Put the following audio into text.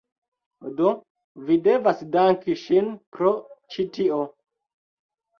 Do, vi devas danki ŝin pro ĉi tio